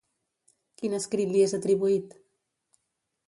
Quin escrit li és atribuït?